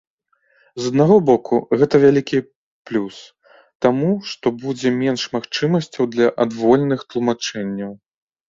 З аднаго боку, гэта вялікі плюс, таму што будзе менш магчымасцяў для адвольных тлумачэнняў.